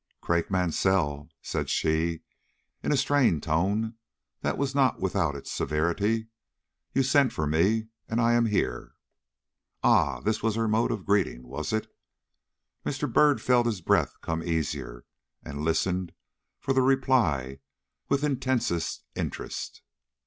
"Craik Mansell," said she, in a strained tone, that was not without its severity, "you sent for me, and I am here." Ah, this was her mode of greeting, was it? Mr. Byrd felt his breath come easier, and listened for the reply with intensest interest.